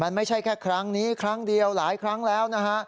มันไม่ใช่แค่ครั้งนี้ครั้งเดียวหลายครั้งแล้วนะฮะ